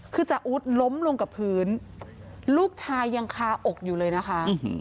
คือจาอุ๊ดล้มลงกับพื้นลูกชายยังคาอกอยู่เลยนะคะ